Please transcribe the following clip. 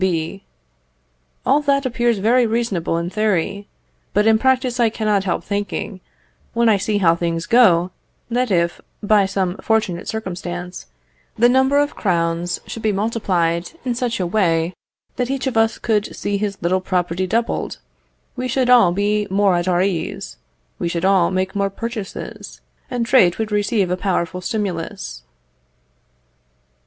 B. All that appears very reasonable in theory, but in practice I cannot help thinking, when I see how things go, that if, by some fortunate circumstance, the number of crowns could be multiplied in such a way that each of us could see his little property doubled, we should all be more at our ease; we should all make more purchases, and trade would receive a powerful stimulus.